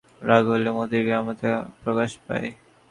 রাগ হইলে মতির গ্রাম্যতা প্রকাশ পায়।